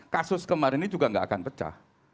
kasus kemarin ini juga nggak akan pecah